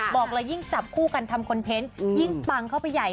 บอกเลยยิ่งจับคู่กันทำคอนเทนต์ยิ่งปังเข้าไปใหญ่